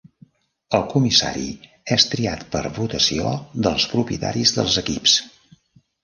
El comissari és triat per votació dels propietaris dels equips.